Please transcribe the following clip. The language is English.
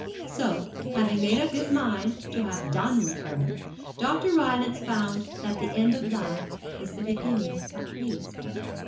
So having made up his mind to have done with her, Dr. Rylance found that the end of love is the beginning of hate.